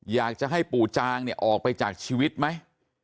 อยากจะให้ปู่จางเนี่ยออกไปจากชีวิตไหม